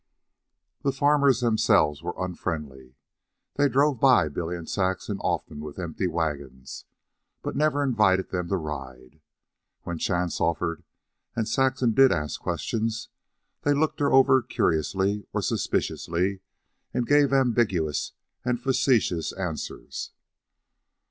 The farmers themselves were unfriendly. They drove by Billy and Saxon, often with empty wagons, but never invited them to ride. When chance offered and Saxon did ask questions, they looked her over curiously, or suspiciously, and gave ambiguous and facetious answers.